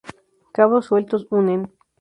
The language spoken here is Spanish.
Cabos sueltos unen.